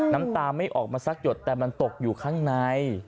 น้ำตาไม่ออกมาสักหยดแต่มันตกอยู่ข้างใน